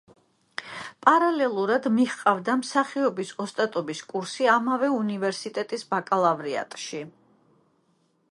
პარალელურად მიჰყავდა მსახიობის ოსტატობის კურსი ამავე უნივერსიტეტის ბაკალავრიატში.